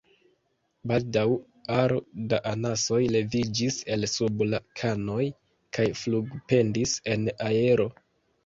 Baldaŭ aro da anasoj leviĝis el sub la kanoj kaj flugpendis en aero.